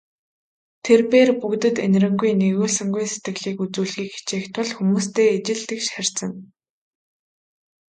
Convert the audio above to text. Тэр бээр бүгдэд энэрэнгүй, нигүүлсэнгүй сэтгэлийг үзүүлэхийг хичээх тул хүмүүстэй ижил тэгш харьцана.